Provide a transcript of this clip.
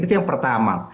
itu yang pertama